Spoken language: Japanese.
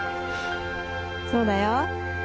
そうだよ。